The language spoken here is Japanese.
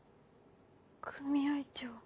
組合長。